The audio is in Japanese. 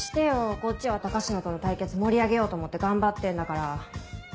こっちは高階との対決盛り上げようと思って頑張ってんだから。